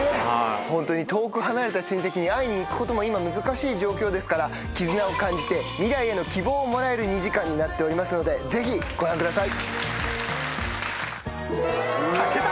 遠く離れた親戚に会いに行くことも今難しい状況ですから絆を感じて未来への希望をもらえる２時間になっておりますのでぜひご覧ください。